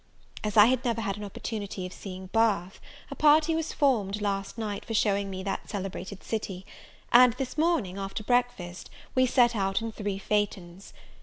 As I had never had an opportunity of seeing Bath, a party was formed last night for showing me that celebrated city; and this morning, after breakfast, we set out in three phaetons.